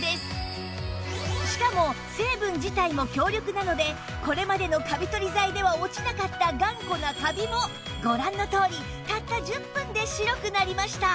しかも成分自体も強力なのでこれまでのカビ取り剤では落ちなかった頑固なカビもご覧のとおりたった１０分で白くなりました